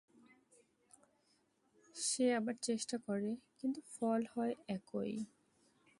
সে আবার চেষ্টা করে, কিন্তু ফল হয় একই।